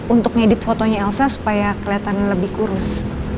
untuk ngedit fotonya elsa supaya kelihatan lebih kurus